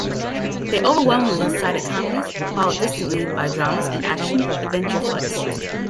They overwhelmingly cited comedies, followed distantly by dramas and action adventure flicks.